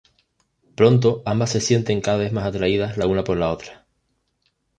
Pronto ambas se sienten cada vez más atraídas la una por la otra.